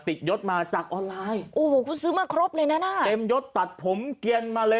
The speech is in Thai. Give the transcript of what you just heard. ยศมาจากออนไลน์โอ้โหคุณซื้อมาครบเลยนะอ่ะเต็มยดตัดผมเกียรมาเลย